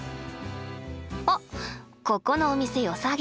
あっここのお店よさげ！